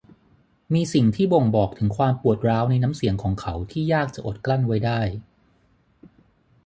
มีสิ่งที่บ่งบอกถึงความปวดร้าวในน้ำเสียงของเขาที่ยากจะอดกลั้นไว้ได้